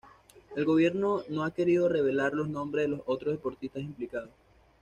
El gobierno no ha querido revelar los nombres de los otros deportistas implicados.